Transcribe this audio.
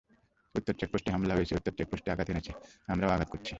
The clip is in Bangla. উত্তর চেকপোস্ট হামলা হয়েছে উত্তর চেকপোস্টে আঘাত হেনেছে আমরাও আঘাত করছি।